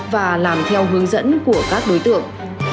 và làm theo hướng dẫn của các đối tượng